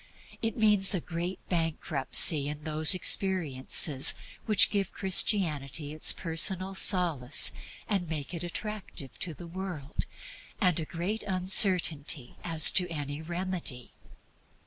It means a great bankruptcy in those experiences which give Christianity its personal solace and make it attractive to the world, and a great uncertainty as to any remedy.